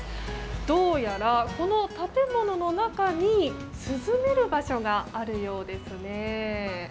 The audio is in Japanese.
どうやら、この建物の中に涼める場所があるようです。